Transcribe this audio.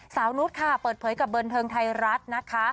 นุษย์ค่ะเปิดเผยกับบันเทิงไทยรัฐนะคะ